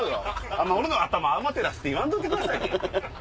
俺の頭天照らすって言わんといてくださいよ！